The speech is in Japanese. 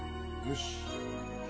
よし！